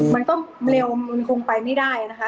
มันก็เร็วมันคงไปไม่ได้นะคะ